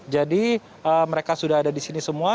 jadi mereka sudah ada di sini semua